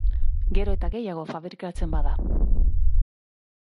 gero eta gehiago fabrikatzen bada